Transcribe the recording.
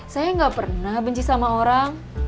saya nggak pernah benci sama orang